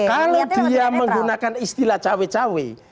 kalau dia menggunakan istilah cawe cawe